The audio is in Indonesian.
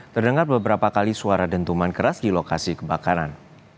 terdengar beberapa kali suara dentuman keras di lokasi kebakaran